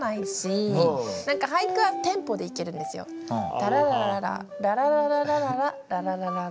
タララララララララララララララララ。